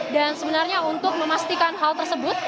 dan sebenarnya untuk memastikan hal tersebut